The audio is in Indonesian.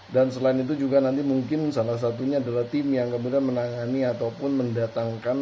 selain itu juga nanti mungkin salah satunya adalah tim yang kemudian menangani ataupun mendatangkan